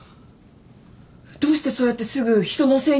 どうしてそうやってすぐ人のせいにすんの？